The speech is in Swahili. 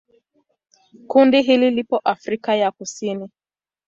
Kundi hili lipo Afrika ya Kusini.